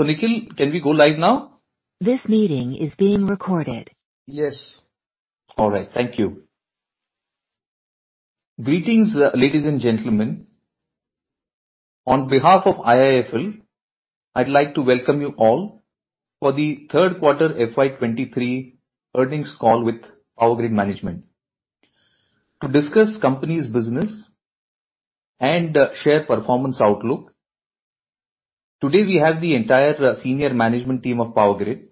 Nikhil, can we go live now? This meeting is being recorded. Yes. All right. Thank you. Greetings, ladies and gentlemen. On behalf of IIFL, I'd like to welcome you all for the third quarter FY 2023 earnings call with Power Grid management. To discuss company's business and share performance outlook, today we have the entire senior management team of Power Grid.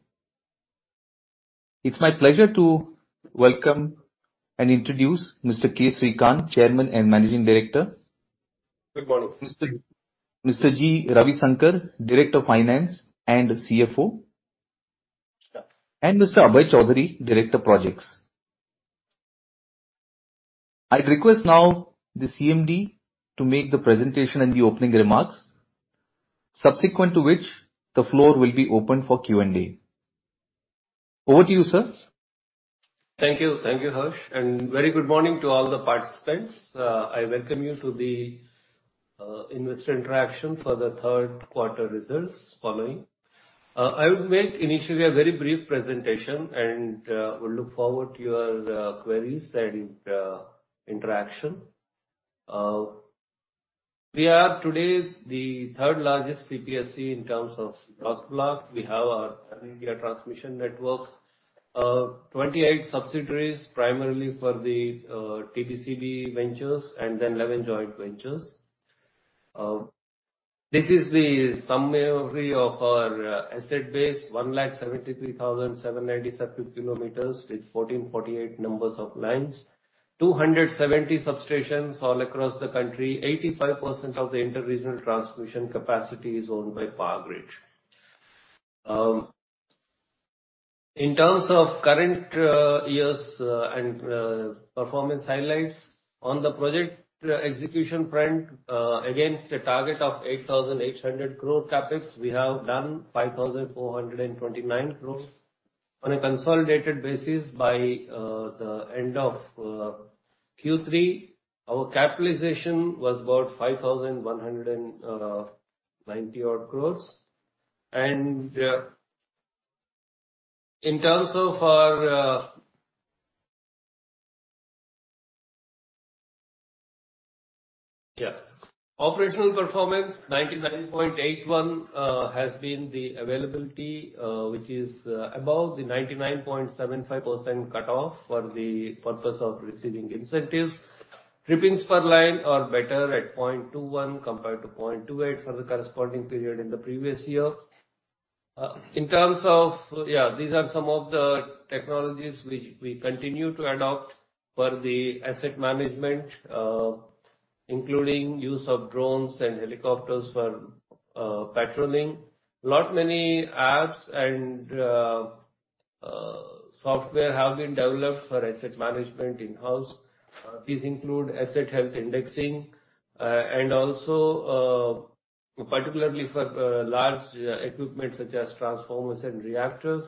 It's my pleasure to welcome and introduce Mr. K. Sreekant, Chairman and Managing Director. Good morning. Mr. G. Ravisankar, Director (Finance) and CFO. Sir. Mr. Abhay Choudhary, Director Projects. I request now the CMD to make the presentation and the opening remarks, subsequent to which the floor will be open for Q&A. Over to you, sir. Thank you. Thank you, Harsh. Very good morning to all the participants. I welcome you to the investor interaction for the third quarter results following. I will make initially a very brief presentation and will look forward to your queries and interaction. We are today the third largest CPSE in terms of cross block. We have our India transmission network of 28 subsidiaries, primarily for the TBCB ventures and then 11 joint ventures. This is the summary of our asset base, 1,73,797km with 1,448 numbers of lines. 270 substations all across the country. 85% of the inter-regional transmission capacity is owned by Power Grid. In terms of current years and performance highlights. On the project execution front, against a target of 8,800 crore CapEx, we have done 5,429 crore. On a consolidated basis by the end of Q3, our capitalization was about 5,190 odd crore. In terms of our... Yeah. Operational performance, 99.81% has been the availability, which is above the 99.75% cutoff for the purpose of receiving incentives. Trippings per line are better at 0.21 compared to 0.28 for the corresponding period in the previous year. In terms of... Yeah, these are some of the technologies which we continue to adopt for the asset management, including use of drones and helicopters for patrolling. Lot many apps and software have been developed for asset management in-house. These include asset health indexing, and also particularly for large equipment such as transformers and reactors.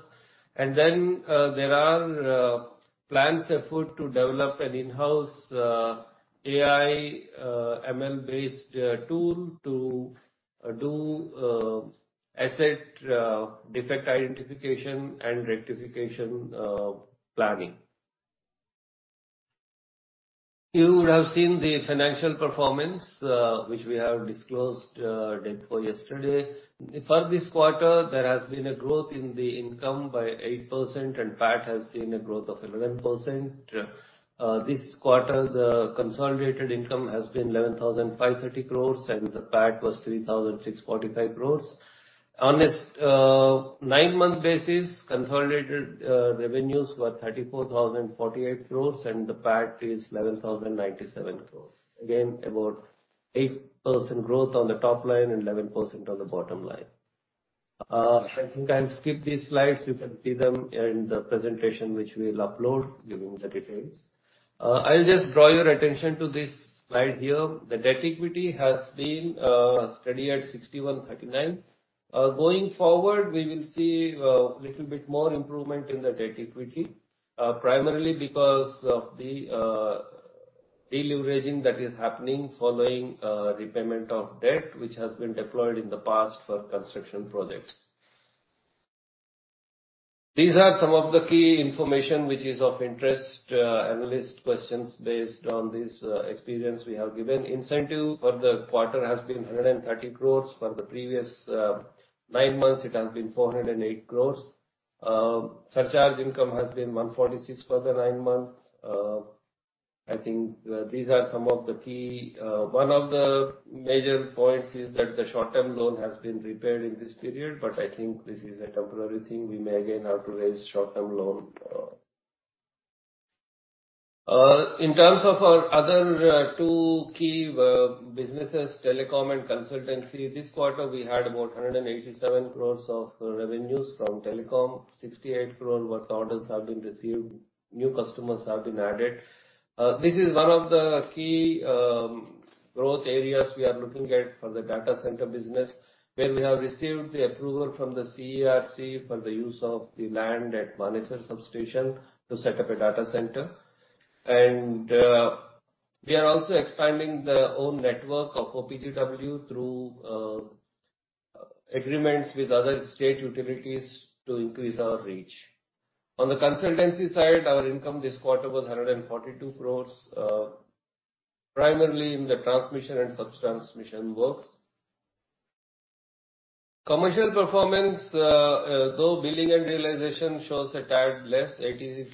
There are plans afoot to develop an in-house AI, ML-based tool to do asset defect identification and rectification planning. You would have seen the financial performance which we have disclosed date for yesterday. For this quarter, there has been a growth in the income by 8%, and PAT has seen a growth of 11%. This quarter, the consolidated income has been 11,530 crores, and the PAT was 3,645 crores. On a nine-month basis, consolidated revenues were 34,048 crores, and the PAT is 11,097 crores. About 8% growth on the top line and 11% on the bottom line. I think I'll skip these slides. You can see them in the presentation which we'll upload giving the details. I'll just draw your attention to this slide here. The debt equity has been steady at 61-39. Going forward, we will see a little bit more improvement in the debt/equity, primarily because of the deleveraging that is happening following repayment of debt which has been deployed in the past for construction projects. These are some of the key information which is of interest, analyst questions based on this experience we have given. Incentive for the quarter has been 130 crore. For the previous nine months, it has been 408 crore. Surcharge income has been 146 for the nine months. I think these are some of the key. One of the major points is that the short-term loan has been repaid in this period, but I think this is a temporary thing. We may again have to raise short-term loan. In terms of our other two key businesses, telecom and consultancy, this quarter we had about 187 crores of revenues from telecom. 68 crore worth orders have been received. New customers have been added. This is one of the key growth areas we are looking at for the data center business, where we have received the approval from the CERC for the use of the land at Manesar substation to set up a data center. We are also expanding the own network of OPGW through agreements with other state utilities to increase our reach. On the consultancy side, our income this quarter was 142 crore, primarily in the transmission and sub-transmission works. Commercial performance, though billing and realization shows a tad less, 86%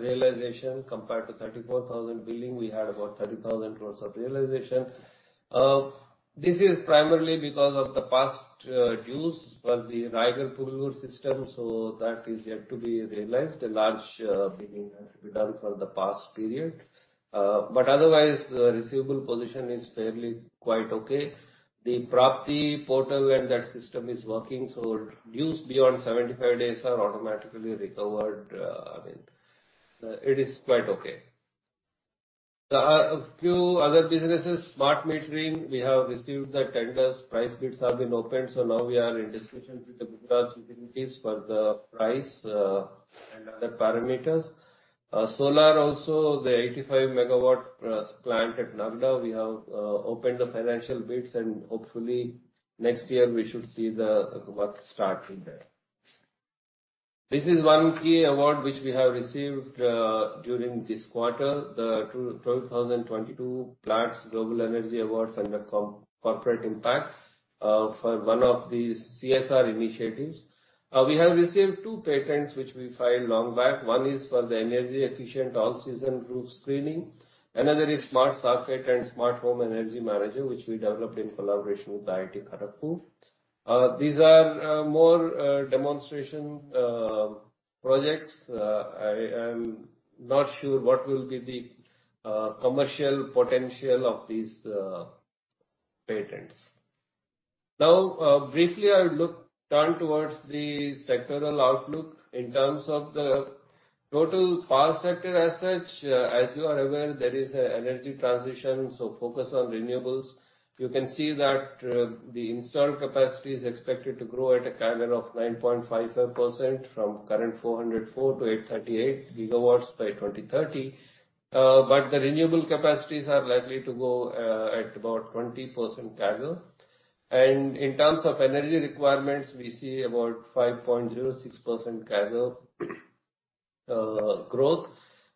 realization compared to 34,000 crore billing. We had about 30,000 crore of realization. This is primarily because of the past dues for the Raigarh-Pugalur system, so that is yet to be realized. A large billing has to be done for the past period. Otherwise, the receivable position is fairly quite okay. The PRAAPTI portal and that system is working, dues beyond 75 days are automatically recovered. I mean, it is quite okay. A few other businesses. Smart metering, we have received the tenders. Price bids have been opened, now we are in discussions with the Gujarat utilities for the price and other parameters. Solar also, the 85 M-W plant at Nagda, we have opened the financial bids, and hopefully next year we should see the work starting there. This is one key award which we have received during this quarter. The 2022 Platts Global Energy Awards under Corporate Impact for one of the CSR initiatives. We have received two patents which we filed long back. One is for the energy efficient all-season roof screening. Another is smart circuit and smart home energy manager, which we developed in collaboration with IIT Kharagpur. These are more demonstration projects. I'm not sure what will be the commercial potential of these patents. Briefly, I'll turn towards the sectoral outlook in terms of the total power sector as such. As you are aware, there is a energy transition, so focus on renewables. You can see that, the installed capacity is expected to grow at a CAGR of 9.55% from current 404 to 838 gigawatts by 2030. The renewable capacities are likely to grow at about 20% CAGR. In terms of energy requirements, we see about 5.06% CAGR growth.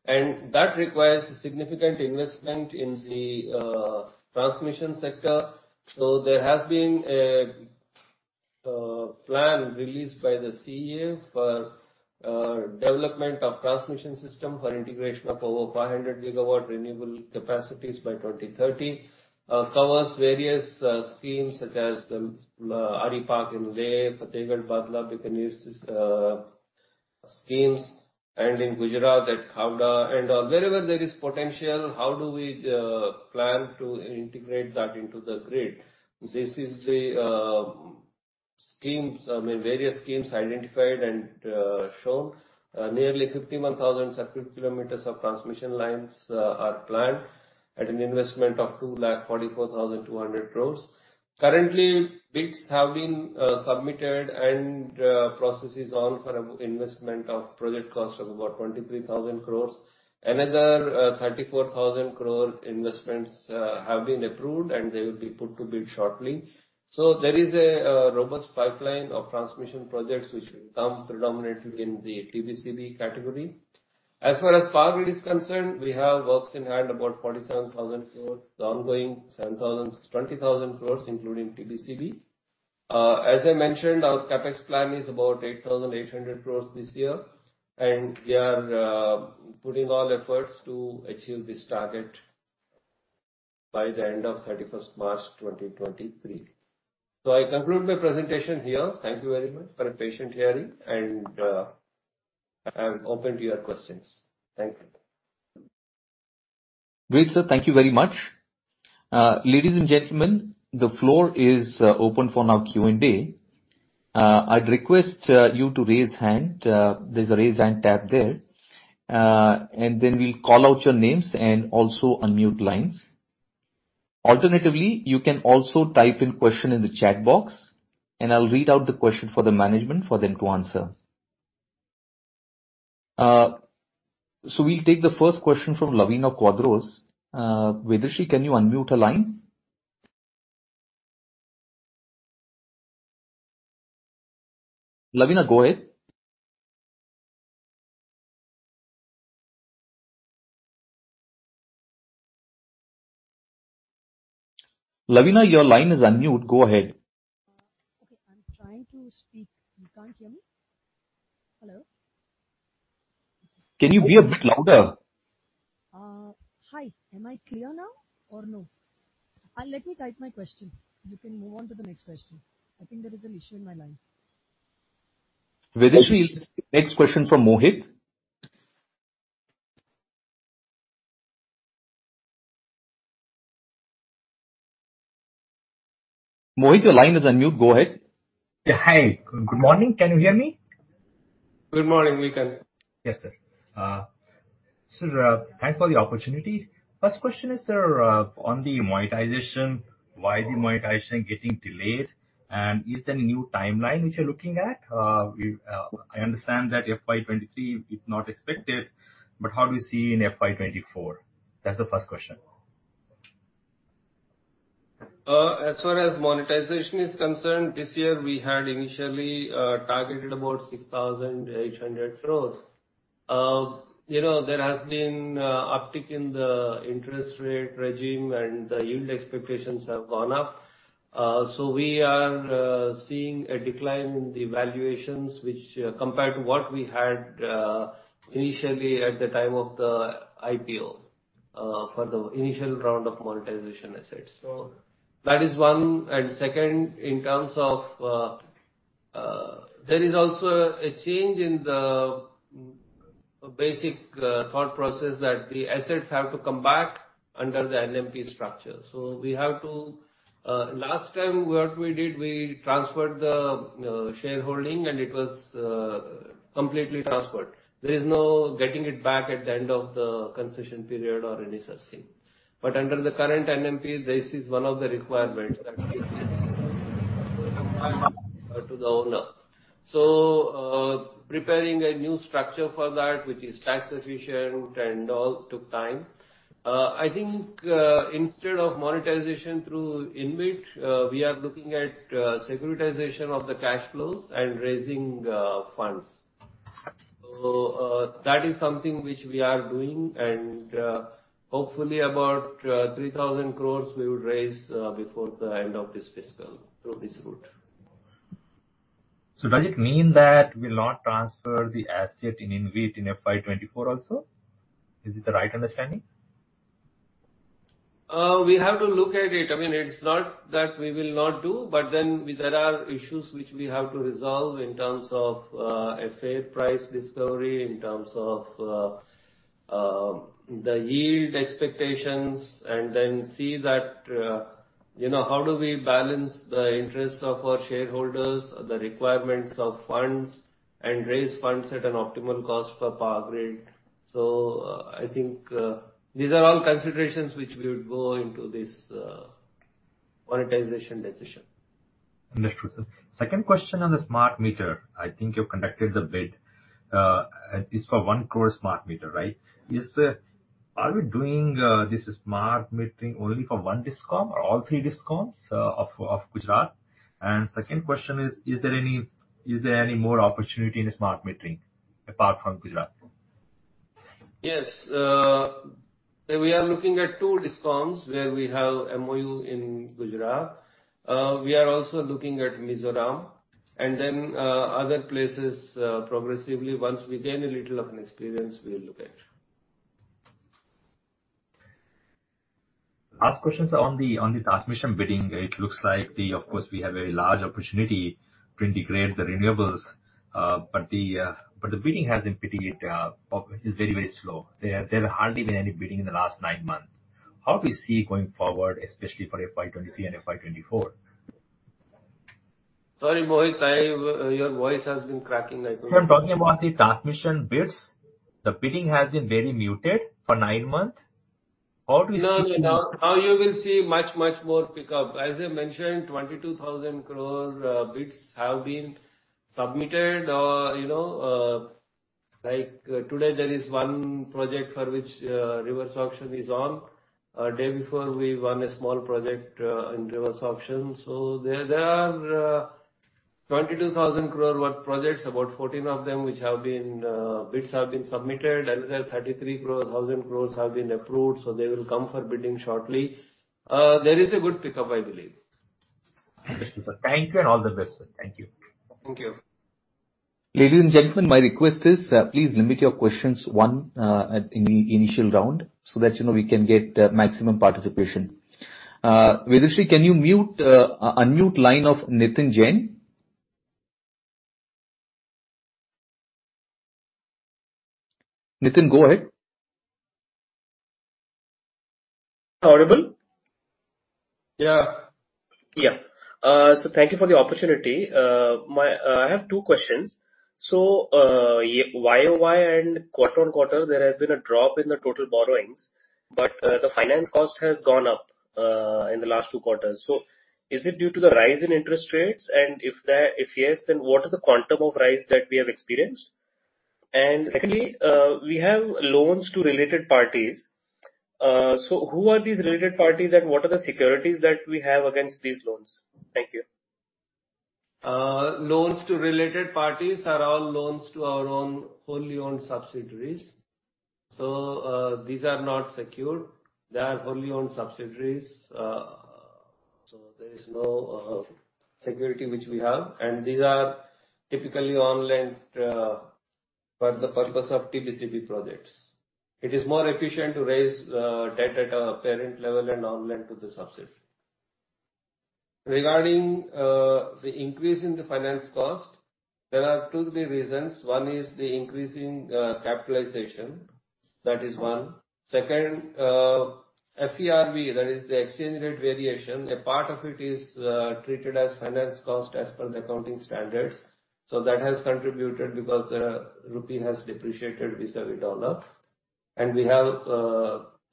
That requires significant investment in the transmission sector. There has been a plan released by the CEA for development of transmission system for integration of over 500 G-W renewable capacities by 2030. covers various schemes such as the Ari-Pak in Leh, Fatehgarh-Bhadla, Bikaner's schemes, and in Gujarat at Khavda. wherever there is potential, how do we plan to integrate that into the grid? This is the schemes, I mean, various schemes identified and shown. Nearly 51,000 circuit kilometers of transmission lines are planned at an investment of 2,44,200 crores. Currently, bids have been submitted and process is on for investment of project cost of about 23,000 crores. Another 34,000 crore investments have been approved, and they will be put to bid shortly. there is a robust pipeline of transmission projects which will come predominantly in the TBCB category. As far as Power Grid is concerned, we have works in hand about 47,000 crores ongoing. 20,000 crores, including TBCB. As I mentioned, our CapEx plan is about 8,800 crores this year, and we are putting all efforts to achieve this target by the end of 31st March 2023. I conclude my presentation here. Thank you very much for your patient hearing and I am open to your questions. Thank you. Great, sir. Thank you very much. Ladies and gentlemen, the floor is open for now Q&A. I'd request you to raise hand. There's a raise hand tab there. We'll call out your names and also unmute lines. Alternatively, you can also type in question in the chat box, and I'll read out the question for the management for them to answer. We'll take the first question from Lavina Quadras. Vidushi, can you unmute her line? Lavina, go ahead. Lavina, your line is unmuted. Go ahead. Okay. I'm trying to speak. You can't hear me? Hello? Can you be a bit louder? Hi. Am I clear now or no? Let me type my question. You can move on to the next question. I think there is an issue in my line. Vidushi, next question from Mohit. Mohit, your line is unmute. Go ahead. Yeah. Hi, good morning. Can you hear me? Good morning, we can. Yes, sir. Thanks for the opportunity. First question is, sir, on the monetization, why is the monetization getting delayed? Is there any new timeline which you're looking at? I understand that FY 23 is not expected, how do you see in FY 24? That's the first question. As far as monetization is concerned, this year we had initially targeted about 6,800 crores. You know, there has been an uptick in the interest rate regime, and the yield expectations have gone up. We are seeing a decline in the valuations which, compared to what we had initially at the time of the IPO, for the initial round of monetization assets. That is one. Second, in terms of, there is also a change in the basic thought process that the assets have to come back under the NMP structure. We have to... Last time what we did, we transferred the shareholding and it was completely transferred. There is no getting it back at the end of the concession period or any such thing. Under the current NMP, this is one of the requirements that to the owner. Preparing a new structure for that which is tax efficient and all took time. I think, instead of monetization through InvIT, we are looking at securitization of the cash flows and raising funds. That is something which we are doing, and hopefully about 3,000 crores we will raise before the end of this fiscal through this route. Does it mean that we'll not transfer the asset in InvIT in FY 24 also? Is it the right understanding? we have to look at it. I mean, it's not that we will not do. There are issues which we have to resolve in terms of a fair price discovery, in terms of the yield expectations. See that, you know, how do we balance the interests of our shareholders, the requirements of funds, and raise funds at an optimal cost for Power Grid. I think, these are all considerations which we would go into this monetization decision. Understood, sir. Second question on the smart meter. I think you've conducted the bid, at least for one crore smart meter, right? Are we doing this smart metering only for one discom or all three discoms of Gujarat? Second question is there any more opportunity in the smart metering apart from Gujarat? Yes. We are looking at two discoms where we have MOU in Gujarat. We are also looking at Mizoram and then, other places, progressively once we gain a little of an experience, we'll look at. Last questions on the, on the transmission bidding. Of course we have a large opportunity to integrate the renewables. The bidding has been pretty, or is very, very slow. There hardly been any bidding in the last nine months. How do you see it going forward, especially for FY 2023 and FY 2024? Sorry, Mohit. Your voice has been cracking, I think. No, I'm talking about the transmission bids. The bidding has been very muted for nine months. How do you see- No, no. Now you will see much more pickup. As I mentioned, 22,000 crore bids have been submitted. You know, like today there is one project for which reverse auction is on. A day before we won a small project in reverse auction. There are 22,000 crore worth projects, about 14 of them which have been bids have been submitted. As I said, 33,000 crore have been approved, so they will come for bidding shortly. There is a good pickup, I believe. Understood, sir. Thank you and all the best, sir. Thank you. Thank you. Ladies and gentlemen, my request is, please limit your questions one, at any initial round so that, you know, we can get maximum participation. Vedshree, can you mute, unmute line of Nitesh Jain. Nitin, go ahead. Audible? Yeah. Thank you for the opportunity. My, I have two questions. Year-on-year and quarter on quarter, there has been a drop in the total borrowings, but the finance cost has gone up in the last two quarters. Is it due to the rise in interest rates? If yes, then what is the quantum of rise that we have experienced? Secondly, we have loans to related parties. Who are these related parties, and what are the securities that we have against these loans? Thank you. Loans to related parties are all loans to our own wholly owned subsidiaries. These are not secure. They are wholly owned subsidiaries. There is no security which we have. These are typically on-lent for the purpose of TBCB projects. It is more efficient to raise debt at a parent level and on-lent to the subsidiary. Regarding the increase in the finance cost, there are two, three reasons. One is the increase in capitalization. That is one. Second, FERB, that is the exchange rate variation. A part of it is treated as finance cost as per the accounting standards. That has contributed because the rupee has depreciated vis-a-vis U.S. dollar, and we have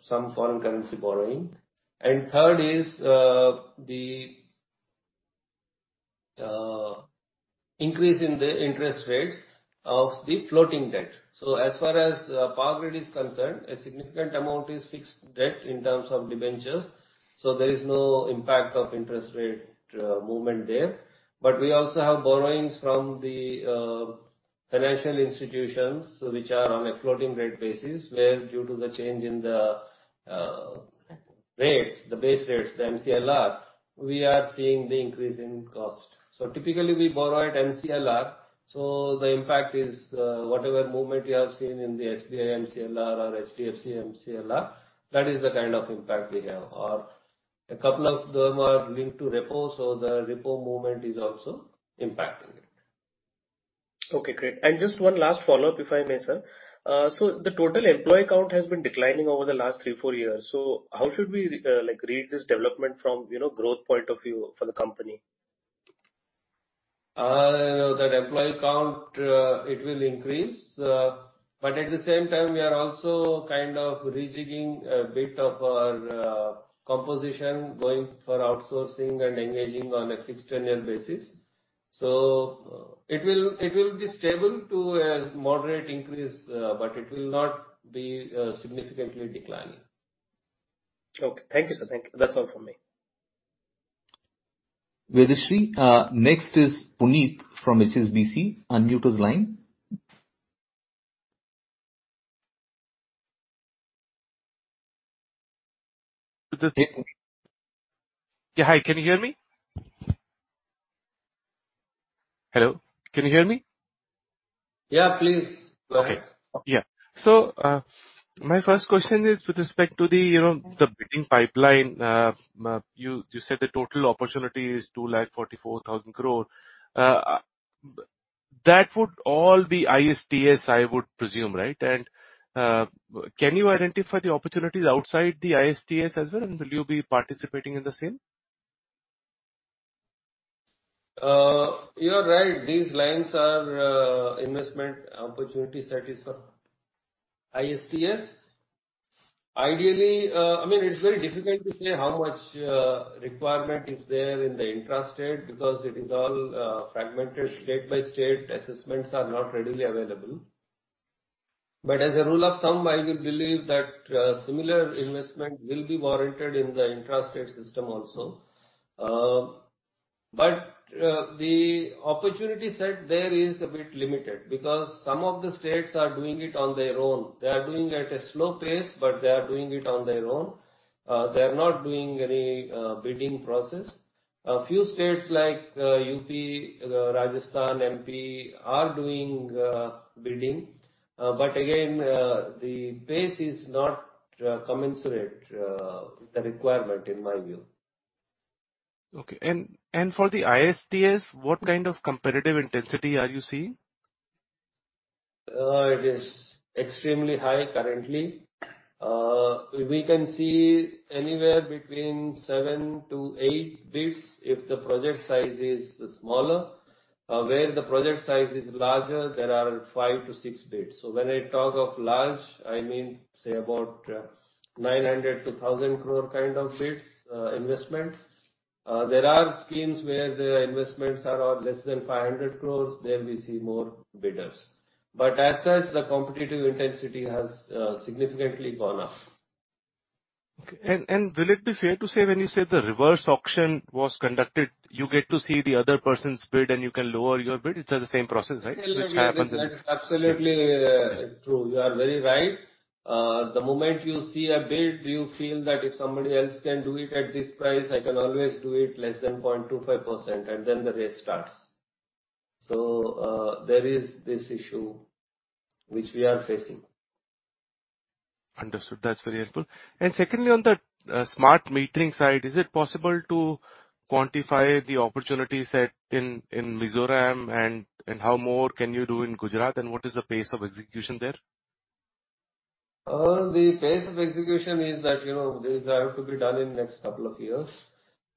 some foreign currency borrowing. Third is the increase in the interest rates of the floating debt. As far as Power Grid is concerned, a significant amount is fixed debt in terms of debentures, so there is no impact of interest rate movement there. We also have borrowings from the financial institutions which are on a floating rate basis, where due to the change in the rates, the base rates, the MCLR, we are seeing the increase in cost. Typically we borrow at MCLR, so the impact is whatever movement you have seen in the SBI MCLR or HDFC MCLR, that is the kind of impact we have. A couple of them are linked to repo, so the repo movement is also impacting it. Okay, great. Just one last follow-up, if I may, sir. The total employee count has been declining over the last three, four years. How should we, like, read this development from, you know, growth point of view for the company? That employee count, it will increase. At the same time we are also kind of rejigging a bit of our composition going for outsourcing and engaging on a fixed-tenure basis. It will be stable to a moderate increase, but it will not be significantly declining. Okay. Thank you, sir. Thank you. That's all from me. Vedashree, next is Puneet from HSBC. Unmute his line. Yeah. Hi, can you hear me? Hello? Can you hear me? Yeah, please go ahead. Okay. Yeah. My first question is with respect to the, you know, the bidding pipeline. You said the total opportunity is 244,000 crore. That would all be ISTS, I would presume, right? Can you identify the opportunities outside the ISTS as well, and will you be participating in the same? You are right. These lines are investment opportunity set is for ISTS. Ideally, I mean, it's very difficult to say how much requirement is there in the intrastate, because it is all fragmented state by state. Assessments are not readily available. As a rule of thumb, I will believe that similar investment will be warranted in the intrastate system also. The opportunity set there is a bit limited because some of the states are doing it on their own. They are doing at a slow pace, but they are doing it on their own. They are not doing any bidding process. A few states like UP, Rajasthan, MP are doing bidding, but again, the pace is not commensurate with the requirement in my view. Okay. For the ISTS, what kind of competitive intensity are you seeing? It is extremely high currently. We can see anywhere between 7-8 bids if the project size is smaller. Where the project size is larger, there are 5-6 bids. When I talk of large, I mean say about, 900 crore-1,000 crore kind of bids, investments. There are schemes where the investments are all less than 500 crores. There we see more bidders. As such, the competitive intensity has significantly gone up. Okay. Will it be fair to say when you say the reverse auction was conducted, you get to see the other person's bid and you can lower your bid? It's the same process, right? Absolutely, true. You are very right. The moment you see a bid, you feel that if somebody else can do it at this price, I can always do it less than 0.25%, and then the race starts. There is this issue which we are facing. Understood. That's very helpful. Secondly, on the smart metering side, is it possible to quantify the opportunity set in Mizoram and how more can you do in Gujarat and what is the pace of execution there? The pace of execution is that, you know, these are to be done in next couple of years.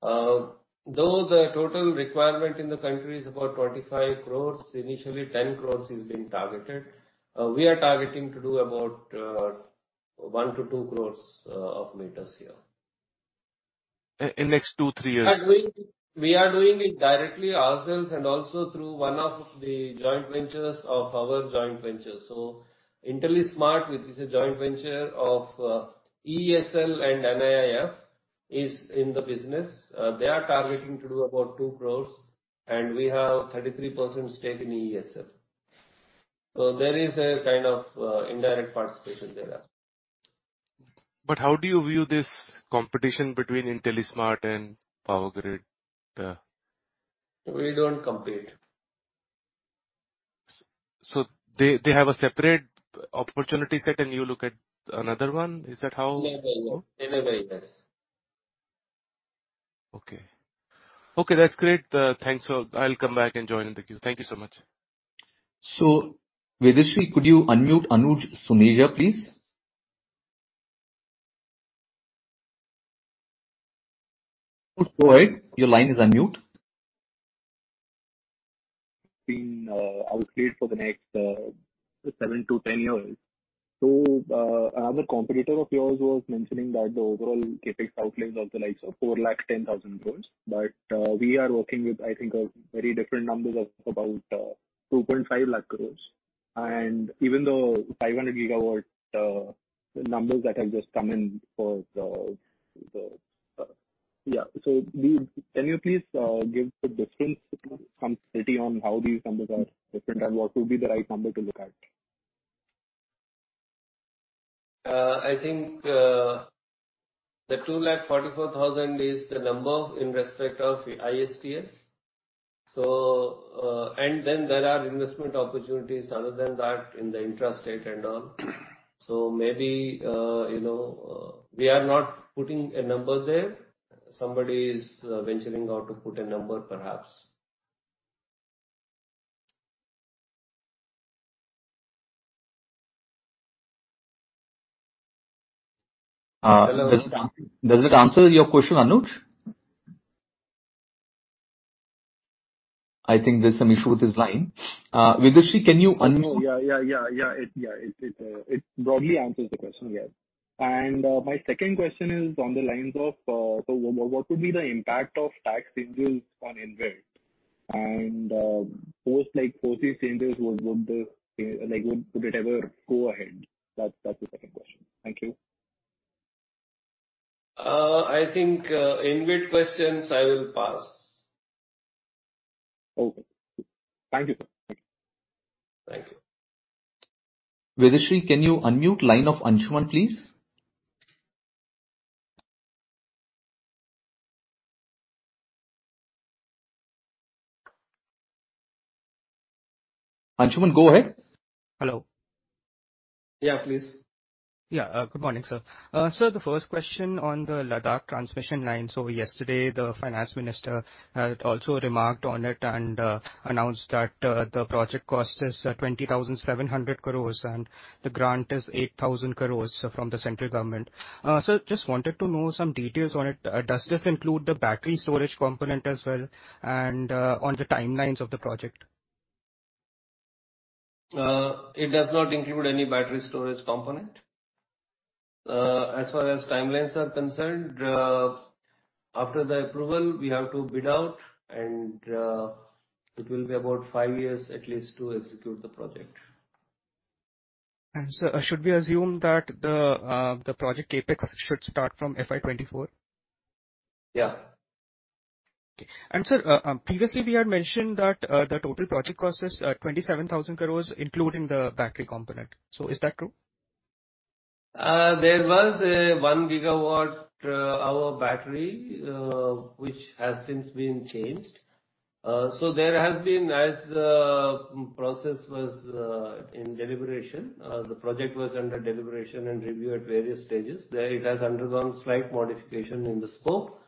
Though the total requirement in the country is about 25 crores, initially 10 crores is being targeted. We are targeting to do about 1-2 crores of meters here. in next 2, 3 years. We are doing it directly ourselves and also through one of the joint ventures of our joint ventures. Intellismart, which is a joint venture of EESL and NIIF, is in the business. They are targeting to do about two crores, and we have 33% stake in EESL. There is a kind of indirect participation there as well. How do you view this competition between IntelliSmart and Power Grid? We don't compete. They have a separate opportunity set and you look at another one? Is that In a way, yes. Okay. Okay, that's great. Thanks. I'll come back and join in the queue. Thank you so much. Vidushi, could you unmute Anuj Suneja, please? Anuj, go ahead. Your line is unmute. Been outlaid for the next 7-10 years. Another competitor of yours was mentioning that the overall CapEx outlay is of the likes of 410,000 crore. We are working with, I think, a very different number of about 2.5 lakh crore. Even though 500 gigawatt numbers that have just come in for the. Can you please give the difference, some clarity on how these numbers are different and what would be the right number to look at? I think the 2.44 lakh is the number in respect of IPDS. There are investment opportunities other than that in the intrastate and all. Maybe, you know, we are not putting a number there. Somebody is venturing out to put a number perhaps. Does it answer your question, Anuj? I think there's some issue with his line. Vidushi, can you unmute- No. Yeah. Yeah. Yeah. Yeah. Yeah. It broadly answers the question, yeah. My second question is on the lines of, so what would be the impact of tax changes on InvIT? Post, like, policy changes, would the, like, would it ever go ahead? That's the second question. Thank you. I think, InvIT questions I will pass. Okay. Thank you. Thank you. Vidushi, can you unmute line of Anshuman, please? Anshuman, go ahead. Hello. Yeah, please. Yeah. Good morning, sir. Sir, the first question on the Ladakh transmission lines. Yesterday, the finance minister also remarked on it and announced that the project cost is 20,700 crores and the grant is 8,000 crores from the central government. Sir, just wanted to know some details on it. Does this include the battery storage component as well, and on the timelines of the project? It does not include any battery storage component. As far as timelines are concerned, after the approval, we have to bid out and it will be about five years at least to execute the project. Sir, should we assume that the project CapEx should start from FY 2024? Yeah. Okay. sir, previously we had mentioned that, the total project cost is 27,000 crore, including the battery component. Is that true? There was a 1 gigawatt hour battery which has since been changed. There has been, as the process was in deliberation, the project was under deliberation and review at various stages. There it has undergone slight modification in the scope.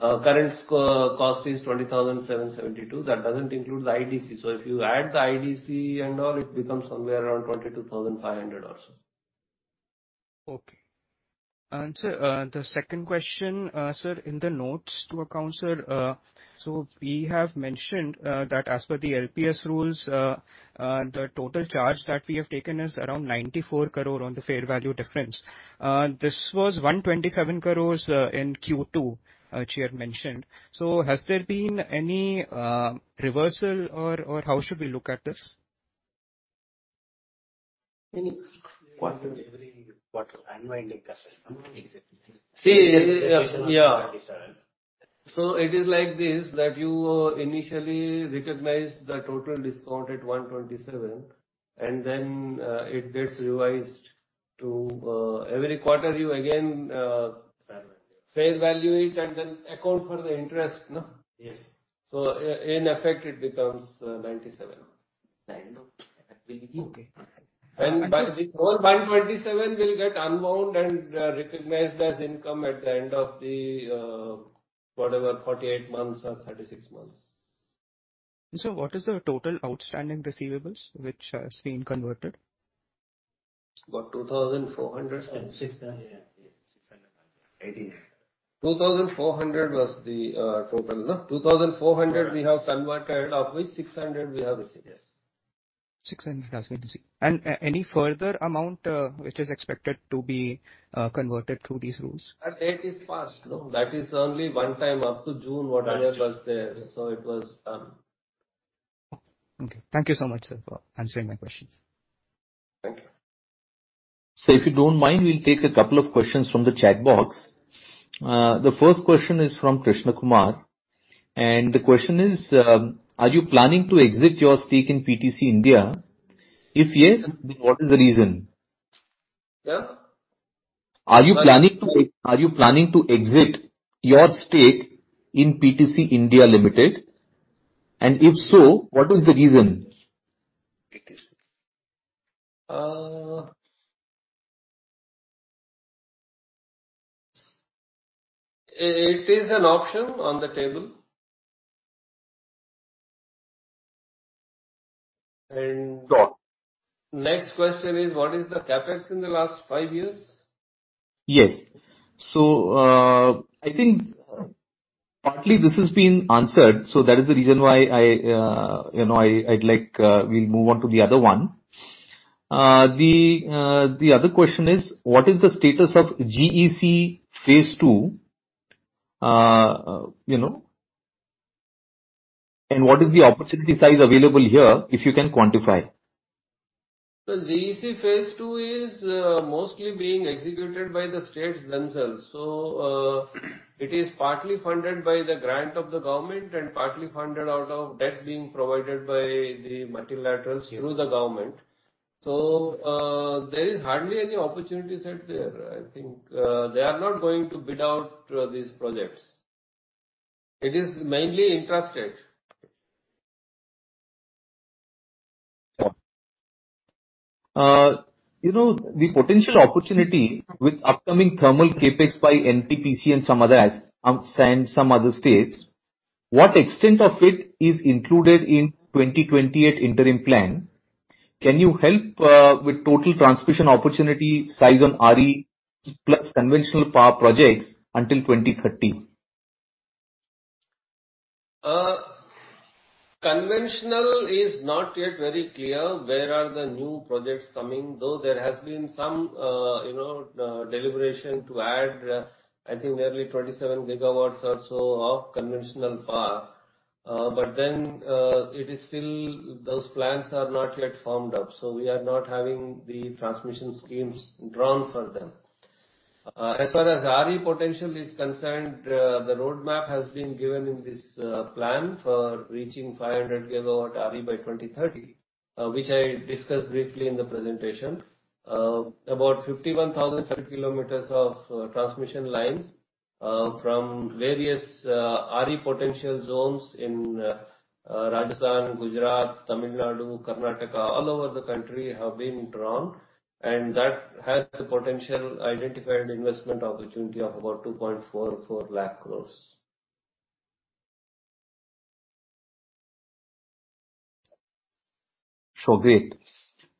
Current cost is 20,772. That doesn't include the IDC. If you add the IDC and all, it becomes somewhere around 22,500 or so. Okay. Sir, the second question, sir, in the notes to accounts, sir, we have mentioned that as per the LPS rules, the total charge that we have taken is around 94 crore on the fair value difference. This was 127 crore in Q2, chair mentioned. Has there been any reversal or how should we look at this? Any quarter. Every quarter. Unwinding doesn't come exactly See, yeah. It is like this, that you initially recognize the total discount at 127, and then, it gets revised to, every quarter you again. Fair value. Fair value it and then account for the interest, no? Yes. In effect, it becomes, 97. Nine, no. It will be- Okay. This whole 127 will get unbound and recognized as income at the end of the, whatever, 48 months or 36 months. What is the total outstanding receivables which has been converted? About 2,400. INR 6,000. Yeah. 600 thousand. It is. 2,400 was the total, no? 2,400 we have converted, of which 600 we have received. Yes. 600,000 received. Any further amount which is expected to be converted through these rules? That date is passed, no. That is only one time up to June, whatever was there. It was done. Okay. Thank you so much, sir, for answering my questions. Thank you. If you don't mind, we'll take a couple of questions from the chat box. The first question is from Krishna Kumar, and the question is: Are you planning to exit your stake in PTC India? If yes, then what is the reason? Yeah. Are you planning to exit your stake in PTC India Limited? If so, what is the reason? PTC. It is an option on the table. Got. Next question is what is the CapEx in the last five years? Yes. I think partly this has been answered, so that is the reason why I, you know, I'd like, we'll move on to the other one. The other question is what is the status of GEC phase two, you know? What is the opportunity size available here, if you can quantify? The GEC phase 2 is mostly being executed by the states themselves. It is partly funded by the grant of the government and partly funded out of debt being provided by the multilaterals through the government. There is hardly any opportunities out there. I think, they are not going to bid out these projects. It is mainly intra-state. you know, the potential opportunity with upcoming thermal CapEx by NTPC and some others, and some other states, what extent of it is included in 2028 interim plan? Can you help with total transmission opportunity size on RE plus conventional power projects until 2030? Conventional is not yet very clear where are the new projects coming, though there has been some, you know, deliberation to add, I think nearly 27 gigawatts or so of conventional power. It is still those plans are not yet formed up, so we are not having the transmission schemes drawn for them. As far as RE potential is concerned, the roadmap has been given in this plan for reaching 500 gigawatt RE by 2030, which I discussed briefly in the presentation. About 51,007 kilometers of transmission lines, from various RE potential zones in Rajasthan, Gujarat, Tamil Nadu, Karnataka, all over the country have been drawn, and that has the potential identified investment opportunity of about 2.44 lakh crores. Sure. Great.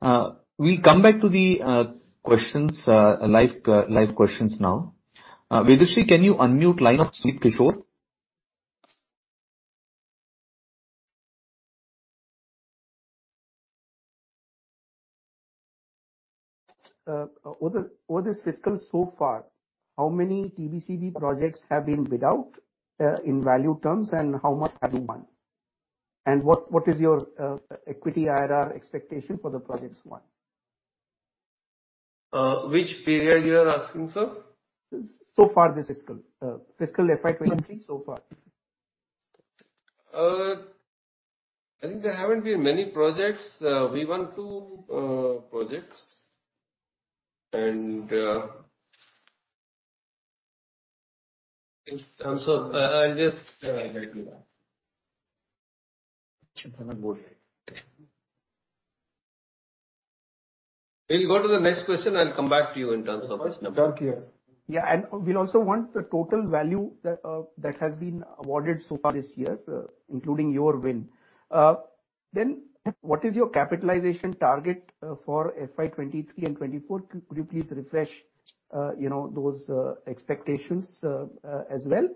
We'll come back to the questions, live questions now. Vedri, can you unmute line of Srip Kishor? Over this fiscal so far, how many TBCB projects have been bid out in value terms, and how much have you won? What is your equity IRR expectation for the projects won? Which period you are asking, sir? So far this fiscal. Fiscal FY 23 so far. I think there haven't been many projects. We won two projects. I'll just get you that. We'll go to the next question. I'll come back to you in terms of this number. We'll also want the total value that has been awarded so far this year, including your win. What is your capitalization target for FY 2023 and 2024? Could you please refresh, you know, those expectations as well?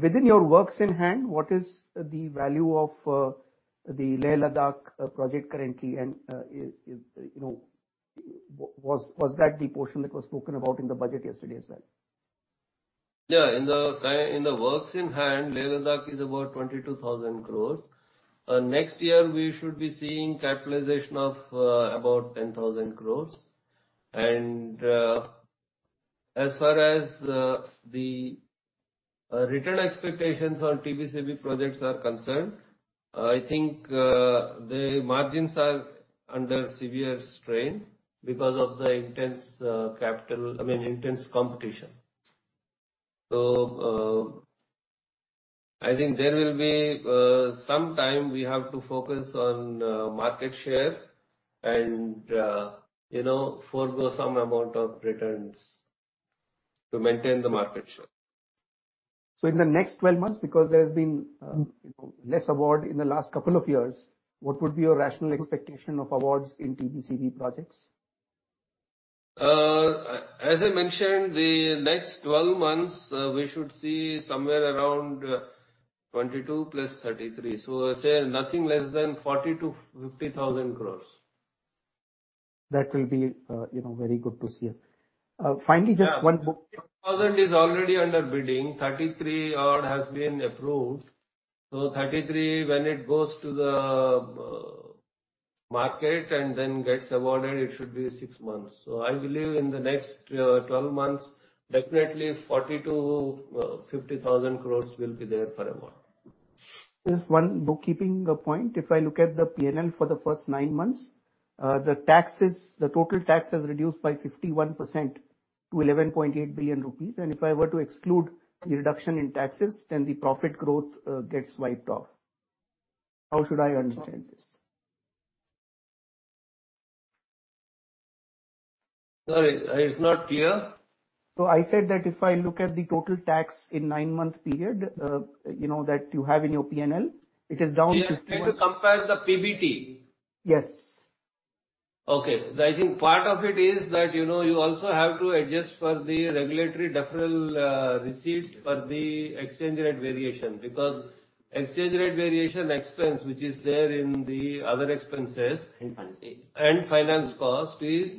Within your works in hand, what is the value of the Leh Ladakh project currently and was that the portion that was spoken about in the budget yesterday as well? Yeah. In the works in hand, Leh Ladakh is about 22,000 crore. Next year we should be seeing capitalization of about 10,000 crore. As far as the return expectations on TBCB projects are concerned, I think the margins are under severe strain because of the intense capital, I mean, intense competition. I think there will be some time we have to focus on market share and, you know, forgo some amount of returns to maintain the market share. In the next 12 months, because there has been, you know, less award in the last couple of years, what would be your rational expectation of awards in TBCB projects? As I mentioned, the next 12 months, we should see somewhere around 22 plus 33. I say nothing less than 40,000-50,000 crores. That will be, you know, very good to see it. Finally, just one more. Yeah. 50,000 crore is already under bidding. 33 crore odd has been approved. 33 crore, when it goes to the market and then gets awarded, it should be six months. I believe in the next 12 months, definitely 40,000 crore-50,000 crore will be there for award. Just one bookkeeping point. If I look at the P&L for the first nine months, the taxes, the total tax has reduced by 51% to 11.8 billion rupees. If I were to exclude the reduction in taxes, then the profit growth, gets wiped off. How should I understand this? Sorry, it's not clear. I said that if I look at the total tax in 9-month period, you know, that you have in your P&L, it is down. You are trying to compare the PBT? Yes. Okay. I think part of it is that, you know, you also have to adjust for the regulatory deferral, receipts for the Exchange Rate Variation. Because Exchange Rate Variation expense, which is there in the other expenses..finance....and finance cost is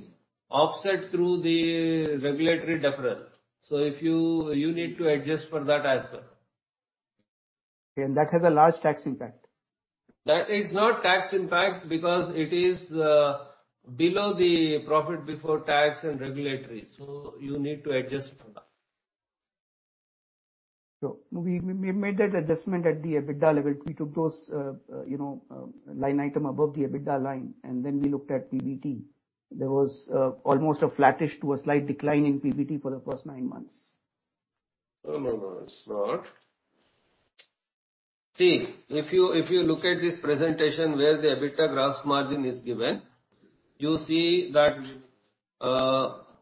offset through the regulatory deferral. You need to adjust for that as well. That has a large tax impact. That is not tax impact because it is below the profit before tax and regulatory, so you need to adjust for that. We made that adjustment at the EBITDA level. We took those, you know, line item above the EBITDA line, and then we looked at PBT. There was almost a flattish to a slight decline in PBT for the first nine months. No, it's not. See, if you look at this presentation where the EBITDA gross margin is given, you see that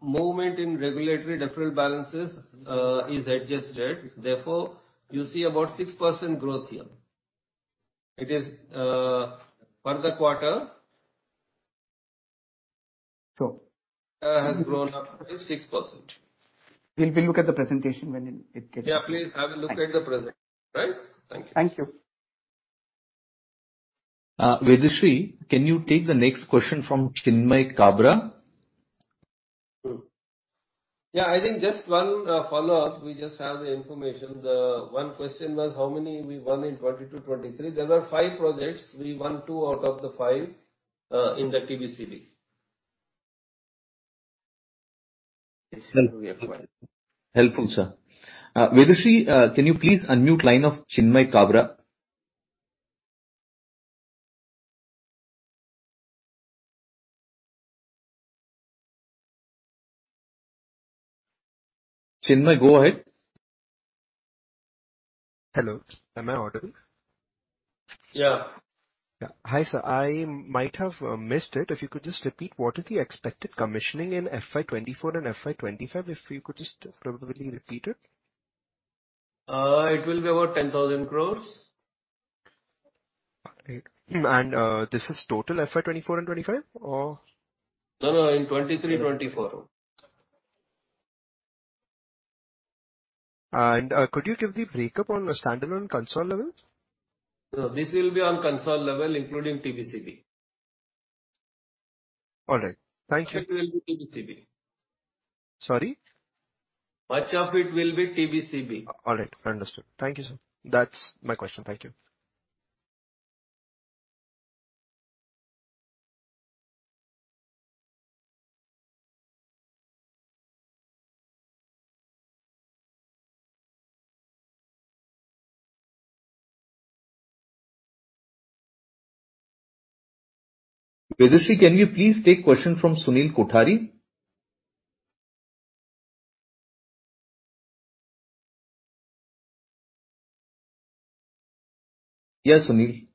movement in regulatory deferral balances is adjusted. Therefore, you see about 6% growth here. It is for the quarter- Sure. has grown up to 6%. We'll look at the presentation when it. Yeah, please have a look at the presentation. Thanks. Right. Thank you. Thank you. Vedashree, can you take the next question from Chinmay Kabra? Sure. Yeah. I think just 1 follow-up. We just have the information. The 1 question was how many we won in 2020-2023. There were 5 projects. We won 2 out of the 5 in the TBCB. Helpful, sir. Vedashree, can you please unmute line of Chinmay Kabra? Chinmay, go ahead. Hello, am I audible? Yeah. Yeah. Hi, sir. I might have missed it. If you could just repeat what is the expected commissioning in FY 2024 and FY 2025. If you could just probably repeat it. It will be about 10,000 crores. All right. This is total FY 24 and 25, or? No, no, in 2023, 2024. Could you give the breakup on a standalone console level? No, this will be on console level, including TBCB. All right. Thank you. Much of it will be TBCB. Sorry? Much of it will be TBCB. All right. Understood. Thank you, sir. That's my question. Thank you. Vedashree, can you please take question from Sunil Kothari? Yeah, Sunil.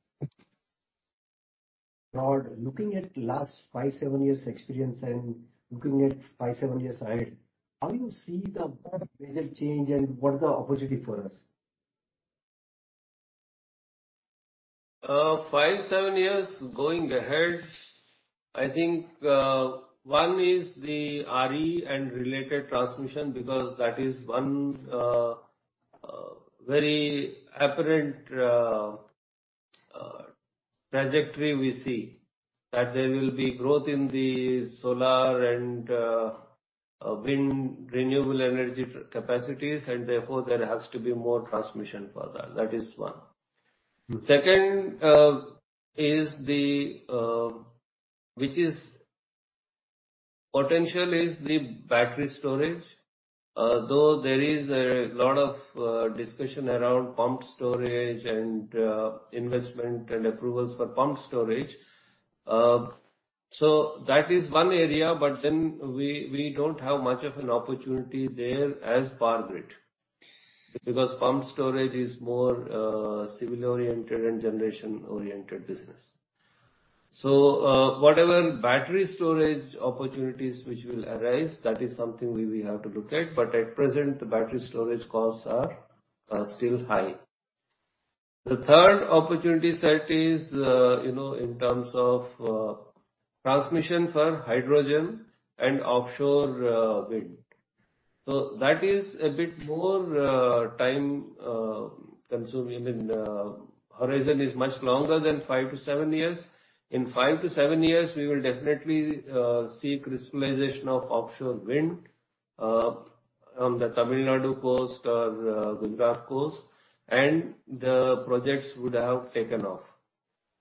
Lord, looking at last five, seven years experience and looking at five, seven years ahead, how you see the major change and what is the opportunity for us? 5-7 years going ahead, I think, one is the RE and related transmission because that is one's very apparent trajectory we see. There will be growth in the solar and wind renewable energy capacities, and therefore, there has to be more transmission for that. That is one. Mm-hmm. Second, Which is potential is the battery storage. Though there is a lot of discussion around pump storage and investment and approvals for pump storage. That is one area, but then we don't have much of an opportunity there as Power Grid. Okay. Because pump storage is more civil-oriented and generation-oriented business. Whatever battery storage opportunities which will arise, that is something we have to look at. At present, the battery storage costs are still high. The third opportunity set is, you know, in terms of transmission for hydrogen and offshore wind. That is a bit more time consuming. I mean, horizon is much longer than five to seven years. In five to seven years, we will definitely see crystallization of offshore wind on the Tamil Nadu coast or Gujarat coast, and the projects would have taken off.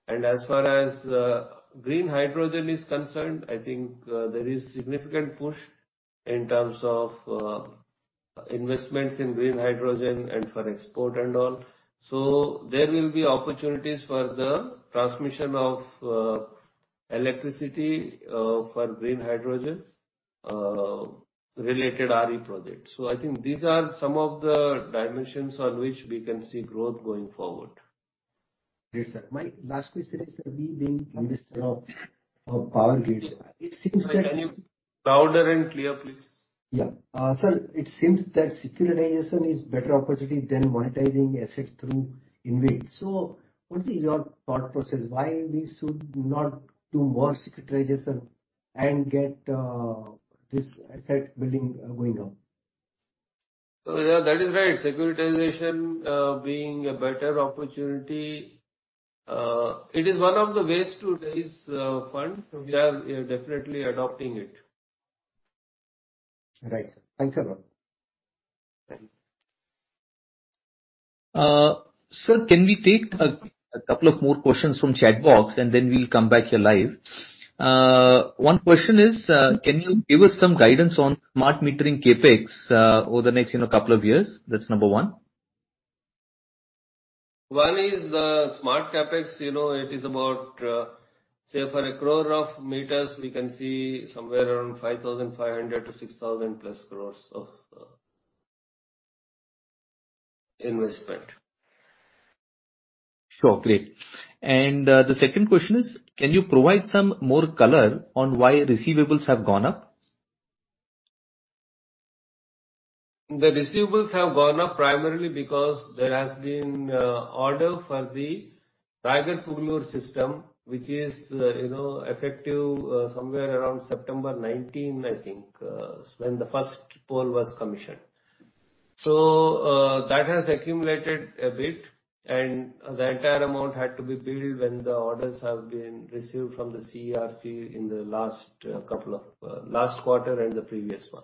As far as green hydrogen is concerned, I think, there is significant push in terms of investments in green hydrogen and for export and all. There will be opportunities for the transmission of electricity for green hydrogen. Related RE projects. I think these are some of the dimensions on which we can see growth going forward. Yes, sir. My last question is, sir, we being industry of Power Grid, it seems that. Sorry, can you louder and clear, please. Yeah. sir, it seems that securitization is better opportunity than monetizing assets through InvIT. What is your thought process? Why we should not do more securitization and get this asset building going up? Yeah, that is right. Securitization, being a better opportunity, it is one of the ways to raise funds, so we are, yeah, definitely adopting it. Right. Thanks a lot. Thank you. Sir, can we take a couple of more questions from chat box and then we'll come back here live. One question is, can you give us some guidance on smart metering CapEx over the next, you know, couple of years? That's number one. One is, smart CapEx, you know, it is about, say for 1 crore of meters we can see somewhere around 5,500 crore to 6,000+ crores of investment. Sure. Great. The second question is, can you provide some more color on why receivables have gone up? The receivables have gone up primarily because there has been order for the Raigarh-Pugalur system, which is, you know, effective somewhere around September 19, I think, when the first pole was commissioned. That has accumulated a bit, and the entire amount had to be billed when the orders have been received from the CERC in the last couple of last quarter and the previous one.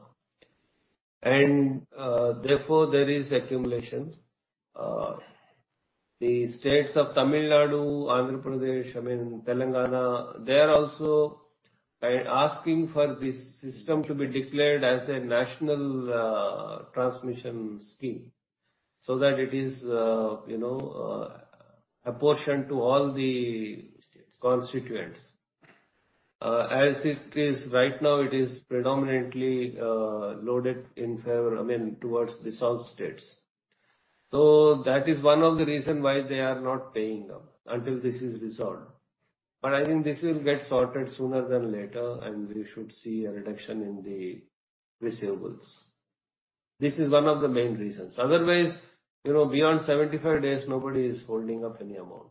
Therefore, there is accumulation. The states of Tamil Nadu, Andhra Pradesh, I mean Telangana, they are also asking for this system to be declared as a national transmission scheme so that it is, you know, apportioned to all the. States. Constituents. As it is right now, it is predominantly loaded in favor, I mean towards the south states. That is one of the reason why they are not paying up until this is resolved. I think this will get sorted sooner than later, and we should see a reduction in the receivables. This is one of the main reasons. Otherwise, you know, beyond 75 days, nobody is holding up any amount.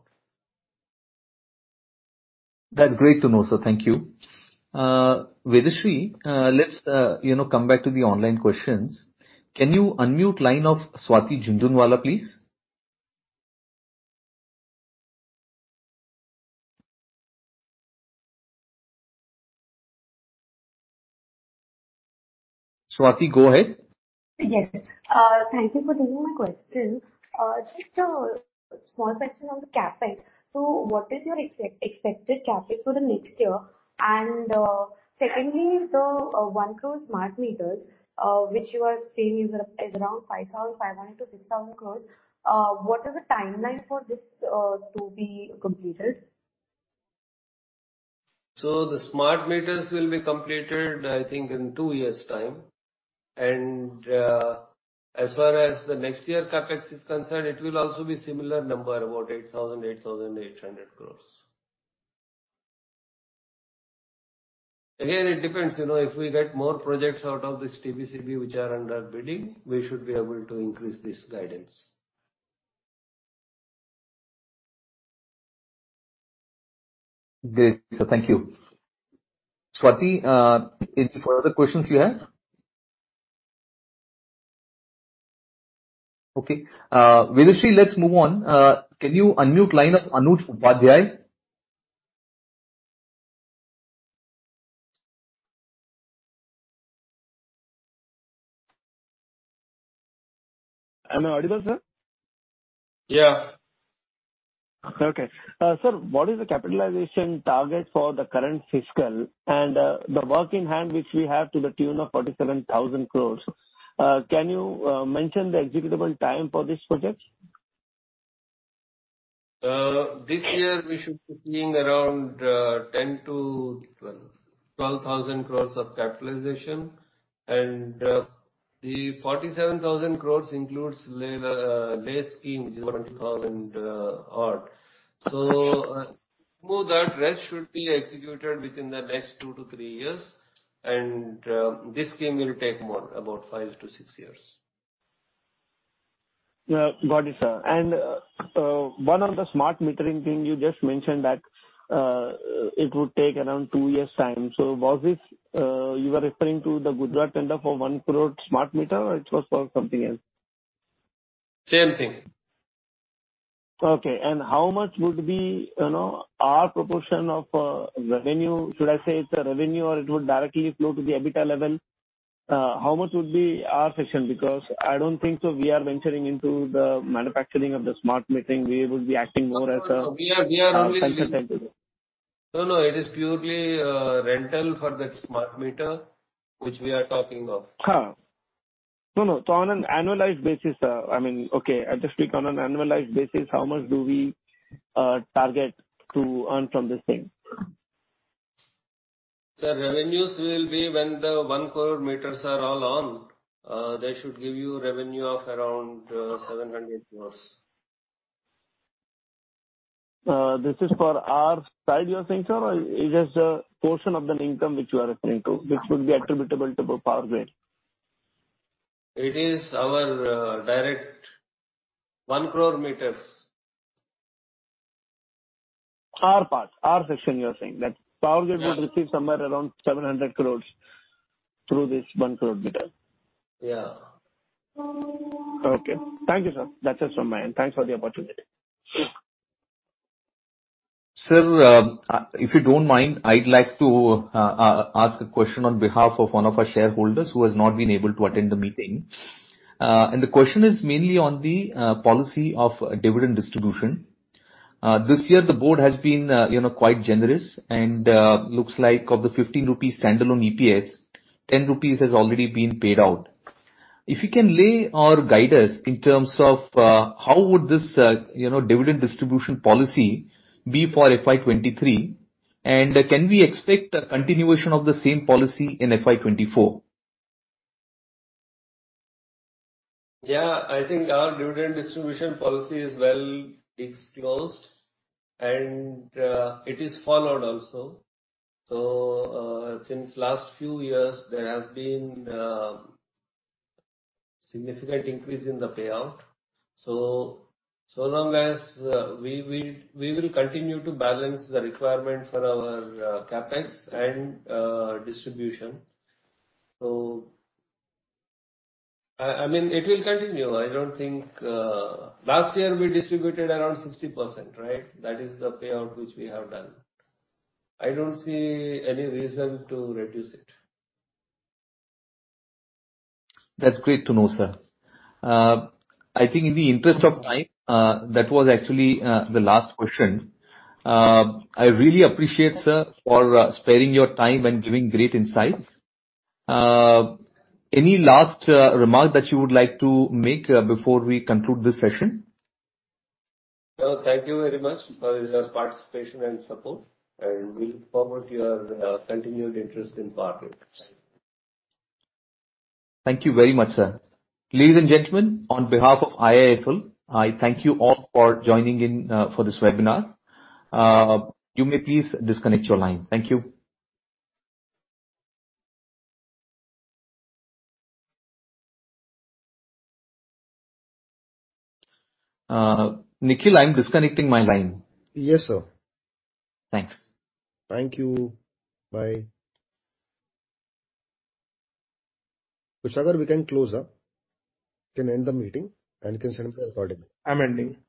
That's great to know, sir. Thank you. Vedashree, let's, you know, come back to the online questions. Can you unmute line of Swati Jhunjhunwalla, please? Swati, go ahead. Yes. Thank you for taking my question. Just a small question on the CapEx. What is your expected CapEx for the next year? Secondly, the 1 crore smart meters, which you are saying is around 5,500 crore-6,000 crore, what is the timeline for this to be completed? The smart meters will be completed, I think in 2 years' time. As far as the next year CapEx is concerned, it will also be similar number, about 8,000, 8,800 crores. It depends, you know, if we get more projects out of this TBCB which are under bidding, we should be able to increase this guidance. Great. Thank you. Swati, any further questions you have? Okay. Vedashree, let's move on. Can you unmute line of Anuj Badani? Am I audible, sir? Yeah. Okay. Sir, what is the capitalization target for the current fiscal and the work in hand which we have to the tune of 47,000 crore, can you mention the executable time for this project? This year we should be seeing around 10-12,000 crores of capitalization. The 47,000 crores includes LA scheme, which is 20,000 odd. Suppose that rest should be executed within the next 2-3 years. This scheme will take more, about 5-6 years. Yeah. Got it, sir. One of the smart metering thing you just mentioned that it would take around 2 years' time. Was this you were referring to the Gujarat tender for 1 crore smart meter, or it was for something else? Same thing. Okay. How much would be, you know, our proportion of revenue? Should I say it's a revenue or it would directly flow to the EBITDA level? How much would be our portion? Because I don't think so we are venturing into the manufacturing of the smart metering. We would be acting more as. No. We are only. No. It is purely rental for that smart meter which we are talking of. Ha. No, no. On an annualized basis, I mean. Okay, I'll just speak on an annualized basis, how much do we target to earn from this thing? Sir, revenues will be when the 1 crore meters are all on, they should give you revenue of around 700 crores. This is for our side you are saying, sir? Or it is a portion of the income which you are referring to, which would be attributable to Power Grid. It is our, direct 1 crore meters. Our part, our section you are saying. Yeah. would receive somewhere around 700 crore through this 1 crore meter. Yeah. Okay. Thank you, sir. That's it from my end. Thanks for the opportunity. Sir, if you don't mind, I'd like to ask a question on behalf of one of our shareholders who has not been able to attend the meeting. The question is mainly on the policy of dividend distribution. This year the board has been, you know, quite generous and looks like of the 15 rupees standalone EPS, 10 rupees has already been paid out. If you can lay or guide us in terms of, how would this, you know, dividend distribution policy be for FY23, and can we expect a continuation of the same policy in FY24? Yeah. I think our dividend distribution policy is well exposed, and it is followed also. Since last few years, there has been significant increase in the payout. So long as we will continue to balance the requirement for our CapEx and distribution. I mean, it will continue. I don't think Last year we distributed around 60%, right? That is the payout which we have done. I don't see any reason to reduce it. That's great to know, sir. I think in the interest of time, that was actually the last question. I really appreciate, sir, for sparing your time and giving great insights. Any last remark that you would like to make before we conclude this session? Well, thank you very much for your participation and support, and we look forward to your continued interest in Power Grid. Thank you very much, sir. Ladies and gentlemen, on behalf of IIFL, I thank you all for joining in, for this webinar. You may please disconnect your line. Thank you. Nikhil, I'm disconnecting my line. Yes, sir. Thanks. Thank you. Bye. Kushagar, we can close. We can end the meeting and you can send accordingly. I'm ending. Okay.